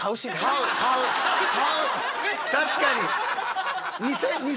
確かに。